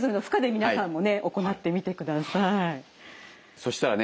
そしたらね